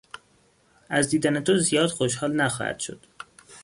از دیدن تو زیاد خوشحال نخواهد شد.